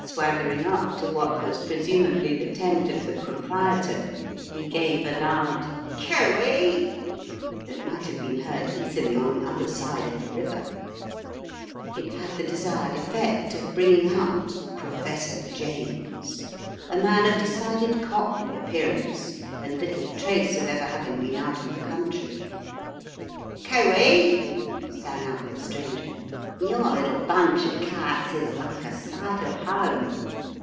Swaggering up to what was presuma bly the tent of the proprietor, he gave a loud "Coo ee!" that might have been heard easily on the other side of the river. It had the desired effect of bringing out "Professor James," a man of decided Cockney appearance and little trace of ever having been out of the country. "Cooe ee," sang out the stranger, "your little bunch of carts is like a sight of home.